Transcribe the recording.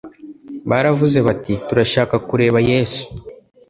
Baravuze bati: «Turashaka kureba Yesu.»